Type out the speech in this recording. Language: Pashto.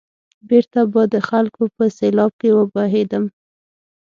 بېرته به د خلکو په سېلاب کې وبهېدم.